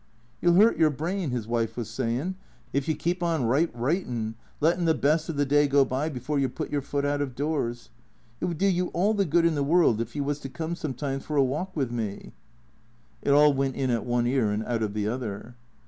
" You '11 'urt your brain," his wife was saying, " if you keep on writ writin', lettin' the best of the day go by before you put your foot out of doors. It would do you all the good in the world if you was to come sometimes for a walk with me " It all went in at one ear and out of the other.